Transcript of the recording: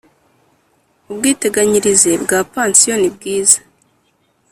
ubwiteganyirize bwa pansiyo nibwiza